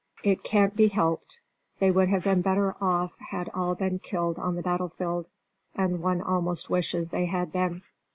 "It can't be helped; they would have been better off had all been killed on the battlefield; and one almost wishes they had been."